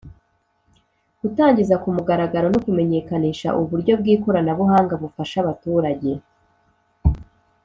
gutangiza ku mugaragaro no kumenyekanisha uburyo bw’ikoranabuhanga bufasha abaturage